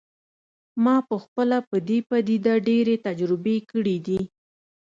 ما پخپله په دې پدیده ډیرې تجربې کړي دي